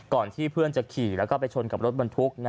ก่อนที่เพื่อนจะขี่แล้วก็ไปชนกับรถบรรทุก